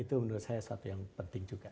itu menurut saya satu yang penting juga